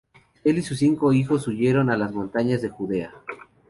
Él y sus cinco hijos huyeron a las montañas de Judea.